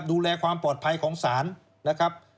ดูแลความปลอดภัยของศาลนะครับ